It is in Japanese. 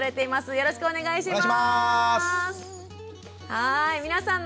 よろしくお願いします。